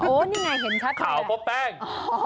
โอ้นี่ไงเห็นชัดเลยขาวพบแป้ง